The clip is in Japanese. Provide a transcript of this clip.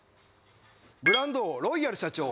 ブランド王ロイヤル社長。